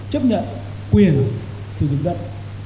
chấp nhận quyền thư dân dân